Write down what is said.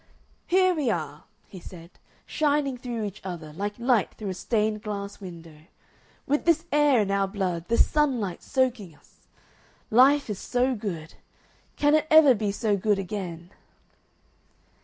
"Here we are," he said, "shining through each other like light through a stained glass window. With this air in our blood, this sunlight soaking us.... Life is so good. Can it ever be so good again?"